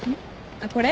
あっこれ？